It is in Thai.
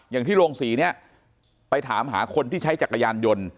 อย่างที่โรงศรีเนี่ยไปถามหาคนที่ใช้จักรยานยนต์